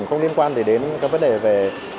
không liên quan gì đến các vấn đề về